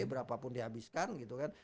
berapa pun dihabiskan gitu kan